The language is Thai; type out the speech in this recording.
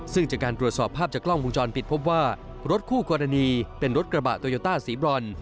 ซึ่งจากการตรวจสอบภาพจากกล้องวงจรปิดพบว่ารถคู่กรณีเป็นรถกระบะโตโยต้าสีบรอน